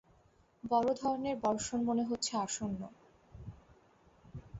বড় ধরনের বর্ষণ মনে হচ্ছে আসন্ন।